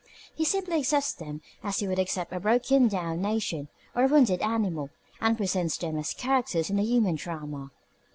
He simply accepts them as he would accept a broken down nation or a wounded animal, and presents them as characters in the human drama.